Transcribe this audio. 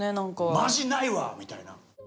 「マジないわ」みたいな。